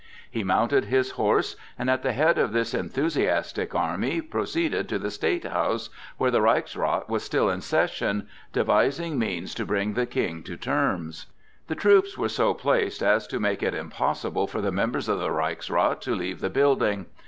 He mounted his horse and at the head of this enthusiastic army proceeded to the State House, where the Reichsrath was still in session, devising means to bring the King to terms. The troops were so placed as to make it impossible for the members of the Reichsrath to leave the building.